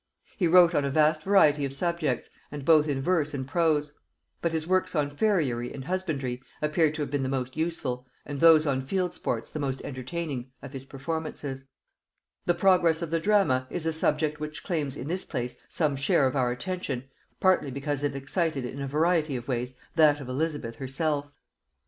He wrote on a vast variety of subjects, and both in verse and prose; but his works on farriery and husbandry appear to have been the most useful, and those on field sports the most entertaining, of his performances. [Note 111: See Historical Collections, by Collins.] The progress of the drama is a subject which claims in this place some share of our attention, partly because it excited in a variety of ways that of Elizabeth herself.